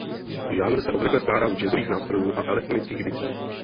Žánr se obvykle skládá z jazzových nástrojů a elektronických bicích.